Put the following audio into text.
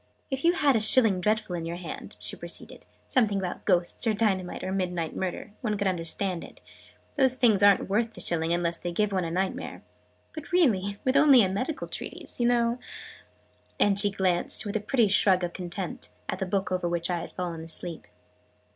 "If you had had a 'Shilling Dreadful' in your hand," she proceeded, "something about Ghosts or Dynamite or Midnight Murder one could understand it: those things aren't worth the shilling, unless they give one a Nightmare. But really with only a medical treatise, you know " and she glanced, with a pretty shrug of contempt, at the book over which I had fallen asleep.